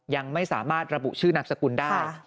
ยังไม่สามารถระบุชื่อนามสกุลได้